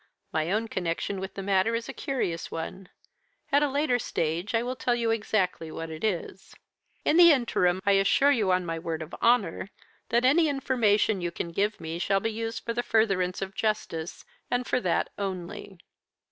My own connection with the matter is a curious one. At a later stage I will tell you exactly what it is. In the interim, I assure you, on my word of honour, that any information you can give me shall be used for the furtherance of justice, and for that only.'